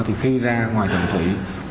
thì khi ra ngoài cẩm thủy